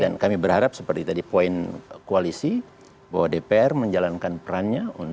dan kami berharap seperti tadi poin koalisi bahwa dpr menjalankan perannya untuk